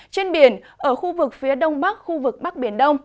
trên biển ở khu vực phía đông bắc khu vực bắc biển đông